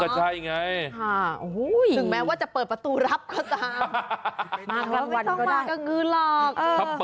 ก็ใช่ไงถึงแม้จะเปิดประตูรับก็ตาม